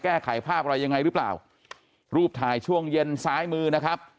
แก้ไขภาพอะไรยังไงหรือเปล่ารูปถ่ายช่วงเย็นซ้ายมือนะครับ